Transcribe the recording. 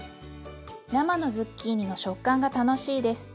生のズッキーニの食感が楽しいです。